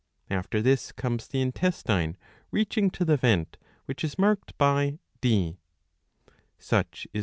After this comes the intestine reaching to the vent, which is marked by DJ^ Such is.